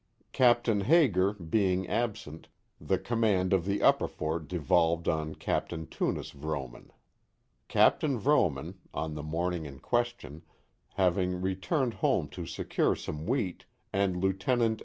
Capt. Hager being absent, the command of the upper fort devolved on Capt. Tunis Vrooman. Capt. Vrooman, on the morning in question, having returned home to secure some wheat, and Lieut.